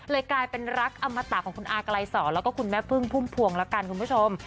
กลายเป็นรักอมตะของคุณอากลายสอนแล้วก็คุณแม่พึ่งพุ่มพวงละกันคุณผู้ชม